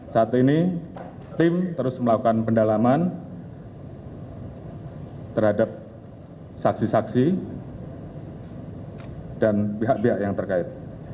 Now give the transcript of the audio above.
saat ini tim terus melakukan pendalaman terhadap saksi saksi dan pihak pihak yang terkait